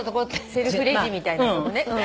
セルフレジみたいなとこね。